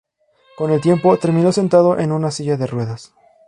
Con el tiempo, terminó sentado en una silla de ruedas.